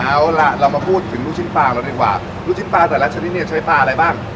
เอาล่ะเรามาพูดถึงลูกชิ้นปลาเราดีกว่าลูกชิ้นปลาแต่ละชนิดเนี่ยใช้ปลาอะไรบ้าง